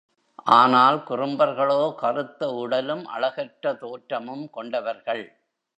ஆனால் குறும்பர்களோ, கறுத்த உடலும், அழகற்ற தோற்றமும் கொண்டவர்கள்.